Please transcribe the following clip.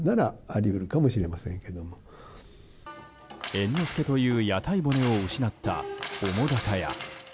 猿之助という屋台骨を失った澤瀉屋。